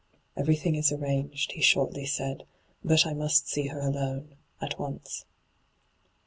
' Everything is arranged,' he shortly said. ' But I must see her alone — at once.'